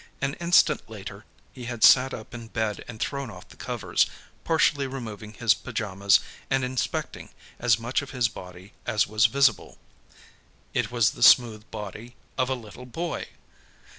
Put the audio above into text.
An instant later, he had sat up in bed and thrown off the covers, partially removing his pajamas and inspecting as much of his body as was visible. It was the smooth body of a little boy.